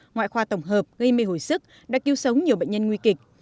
ngoại khoa tổng hợp gây mê hồi sức đã cứu sống nhiều bệnh nhân nguy kịch